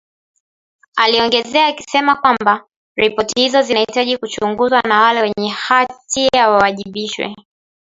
,aliongeza akisema kwamba ripoti hizo zinahitaji kuchunguzwa na wale wenye hatia wawajibishwe